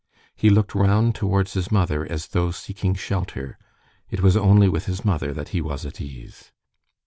He looked round towards his mother as though seeking shelter. It was only with his mother that he was at ease.